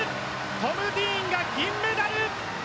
トム・ディーンが銀メダル。